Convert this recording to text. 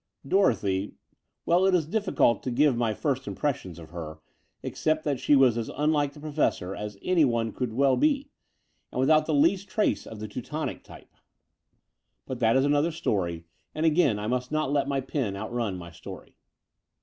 Dorothy — ^well, it is difficult to give my first impressions of her, except that she was as unlike the Professor as anyone could well be, and without the least trace of the Teutonic type: The Brighton Road 47 but that is another tale, and again I must not let my pen outrun my story.